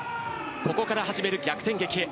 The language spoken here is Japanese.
ここから始める逆転劇へ。